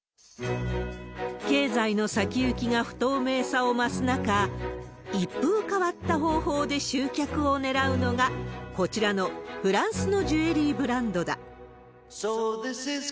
経済の先行きが不透明さを増す中、一風変わった方法で集客をねらうのが、こちらのフランスのジュエリーブランドだ。